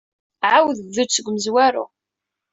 Ɛawed bdu-d seg umezwaru.